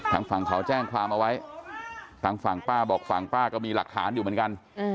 ทางฝั่งเขาแจ้งความเอาไว้ทางฝั่งป้าบอกฝั่งป้าก็มีหลักฐานอยู่เหมือนกัน